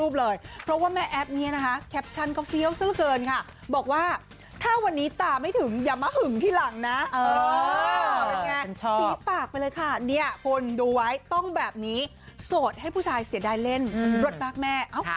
เป็นไงสีปากไปเลยค่ะเนี่ยคุณดูไว้ต้องแบบนี้โสดให้ผู้ชายเสียดายเล่นรสมากแม่